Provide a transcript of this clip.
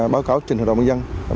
báo cáo trên hội đồng nhân dân